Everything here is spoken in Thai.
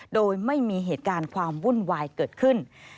โดยไม่มีเหตุการณ์ความวุ่นวายเกิดขึ้น